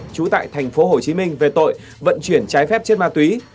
trú tại thành phố hồ chí minh về tội vận chuyển trái phép trên ma túy